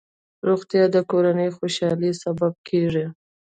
روغتیا د کورنۍ خوشحالۍ سبب کېږي.